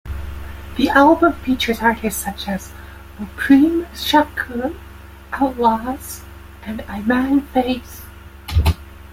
The album features artists such as Mopreme Shakur, Outlawz, and Imaan Faith.